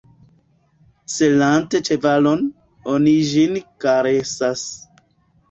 Selante ĉevalon, oni ĝin karesas.